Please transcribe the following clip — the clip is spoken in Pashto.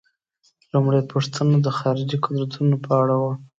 لومړۍ پوښتنه د خارجي قدرتونو په اړه وه.